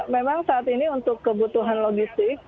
memang saat ini untuk kebutuhan logistik